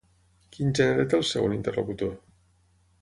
Quin gènere té el segon interlocutor?